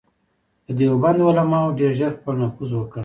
د دیوبند علماوو ډېر ژر خپل نفوذ وکړ.